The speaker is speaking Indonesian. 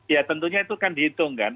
ya tentunya itu kan dihitung kan